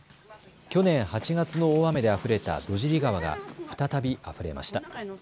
去年８月の大雨であふれた土尻川が再びあふれました。